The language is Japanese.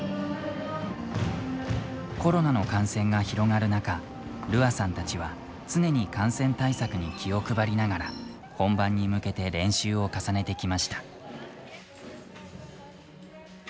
コロナの感染が広がる中Ｒｕａさんたちは常に感染対策に気を配りながら本番に向けて練習を重ねてきました。